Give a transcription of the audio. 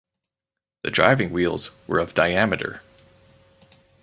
The driving wheels were of diameter.